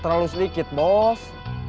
terlalu sedikit bos